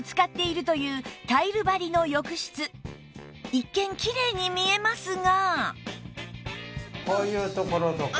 一見きれいに見えますが